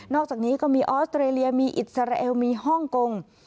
อกจากนี้ก็มีออสเตรเลียมีอิสราเอลมีฮ่องกง